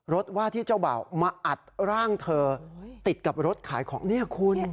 ว่าที่เจ้าบ่าวมาอัดร่างเธอติดกับรถขายของเนี่ยคุณ